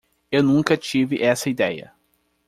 Eu nunca tive essa ideia.